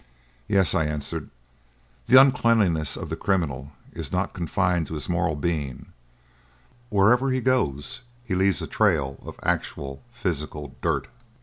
"Yes," I answered. "The uncleanness of the criminal is not confined to his moral being; wherever he goes, he leaves a trail of actual, physical dirt.